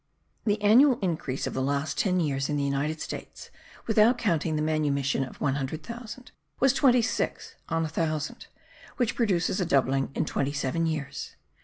The annual increase of the last ten years in the United States (without counting the manumission of 100,000), was twenty six on a thousand, which produces a doubling in twenty seven years.